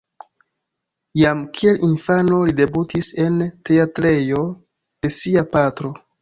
Jam kiel infano, li debutis en teatrejo de sia patro.